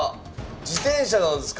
自転車なんですか